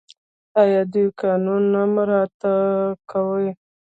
آیا دوی قانون نه مراعات کوي؟